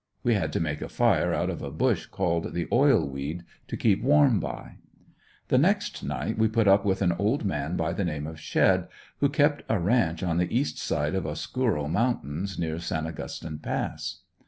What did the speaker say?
We had to make a fire out of a bush called the "oil weed" to keep warm by. The next night we put up with an old man by the name of Shedd, who kept a ranch on the east side of Osscuro mountains, near San Augustine Pass.